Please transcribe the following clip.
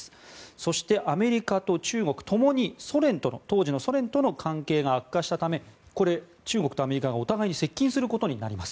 そして、アメリカと中国ともに当時のソ連との関係が悪化したためこれ、中国とアメリカがお互いに接近することになります。